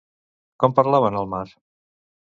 Com parlaven al mar?